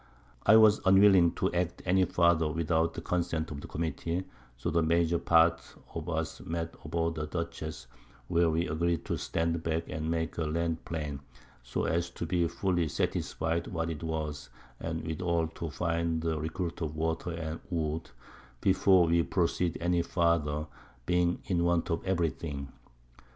I was unwilling to act any farther without the Consent of the Committee; so the major part of us met aboard the Dutchess, where we agreed to stand back and make the Land plain, so as to be fully satisfied what it was, and withal to find a Recruit of Water and Wood before we proceed any farther, being in want of every thing.